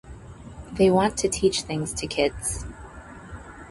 They want to teach things to kids.